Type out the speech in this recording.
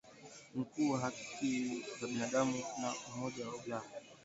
Mkuu wa haki za binadamu wa Umoja wa Ulaya.